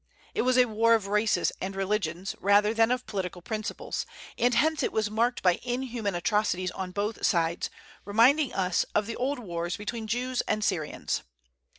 It was a war of races and religions, rather than of political principles; and hence it was marked by inhuman atrocities on both sides, reminding us of the old wars between Jews and Syrians.